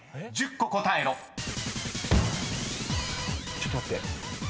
ちょっと待って。